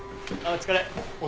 お疲れ。